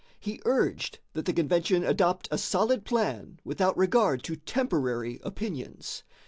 He urged that the convention "adopt a solid plan without regard to temporary opinions."